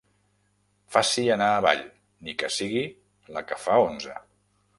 Faci anar avall, ni que sigui la que fa onze.